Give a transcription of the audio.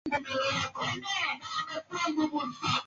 Athari za usafi wa mazingira zimeathiri jamii pakubwa